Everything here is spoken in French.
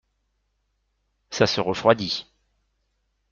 Ça se refroidit.